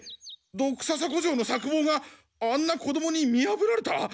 ドクササコ城の策謀があんな子どもに見やぶられた？